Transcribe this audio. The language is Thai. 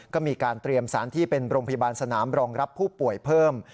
ก็มีการเตรียมสารที่เป็นโรงพยาบาลสนามรองรับผู้ป่วยเพิ่ม